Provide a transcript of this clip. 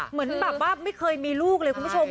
เหมือนแบบว่าไม่เคยมีลูกเลยคุณผู้ชม